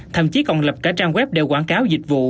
thậm chí còn lập cả trang web để quảng cáo dịch vụ